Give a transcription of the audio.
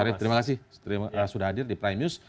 arief terima kasih sudah hadir di prime news